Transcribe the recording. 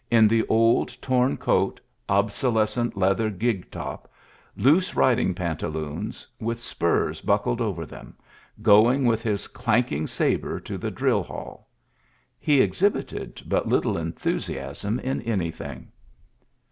in the old tor%>^ coat^ obsolescent leather gig top; loos^ riding pantaloons, with spurs bucklet^ over them, going with his clanking sabr^ to the driU halL He exhibited but little enthusiasm in anything.